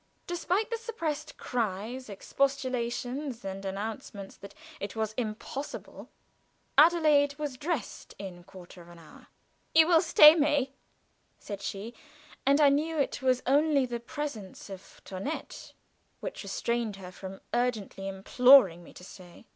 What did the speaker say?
Despite the suppressed cries, expostulations, and announcements that it was impossible, Adelaide was dressed in quarter of an hour. "You will stay, May?" said she; and I knew it was only the presence of Toinette which restrained her from urgently imploring me to stay.